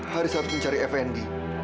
haris harus mencari fnd